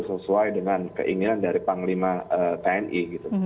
sesuai dengan keinginan dari panglima tni